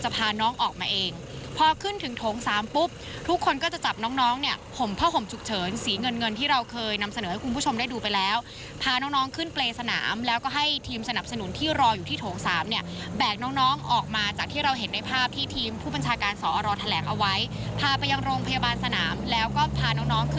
พาน้องออกมาเองพอขึ้นถึงโถงสามปุ๊บทุกคนก็จะจับน้องน้องเนี่ยห่มผ้าห่มฉุกเฉินสีเงินเงินที่เราเคยนำเสนอให้คุณผู้ชมได้ดูไปแล้วพาน้องน้องขึ้นเปรย์สนามแล้วก็ให้ทีมสนับสนุนที่รออยู่ที่โถงสามเนี่ยแบกน้องน้องออกมาจากที่เราเห็นในภาพที่ทีมผู้บัญชาการสอรแถลงเอาไว้พาไปยังโรงพยาบาลสนามแล้วก็พาน้องน้องคือ